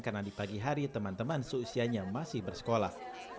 karena di pagi hari teman teman seusianya masih bersekolah